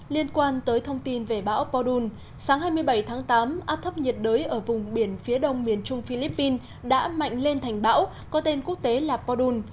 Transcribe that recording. liên quan tới thông tin về bão podun sáng hai mươi bảy tháng tám áp thấp nhiệt đới ở vùng biển phía đông miền trung philippines đã mạnh lên thành bão có tên quốc tế là podun